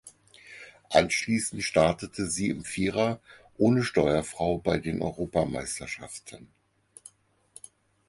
Anschließend startete sie im Vierer ohne Steuerfrau bei den Europameisterschaften.